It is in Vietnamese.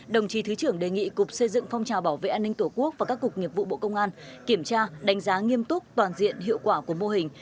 đồng chí thứ trưởng đề nghị cục xây dựng phong trào bảo vệ an ninh tổ quốc và các cục nghiệp vụ bộ công an kiểm tra đánh giá nghiêm túc toàn diện hiệu quả của mô hình